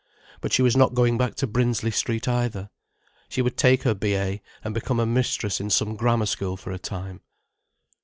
But she was not going back to Brinsley Street either. She would take her B.A., and become a mistress in some Grammar School for a time.